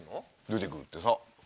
出て来るってさ。